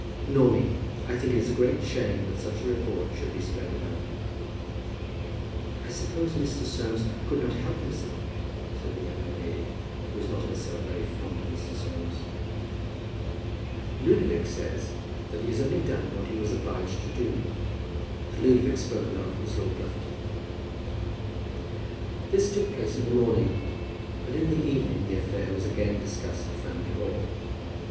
"Nor me; and I think it a great shame that such a report should be spread about." "I suppose Mr. Soames could not help himself?" said the younger lady, who was not herself very fond of Mr. Soames. "Ludovic says that he has only done what he was obliged to do." The Ludovic spoken of was Lord Lufton. This took place in the morning, but in the evening the affair was again discussed at Framley Hall.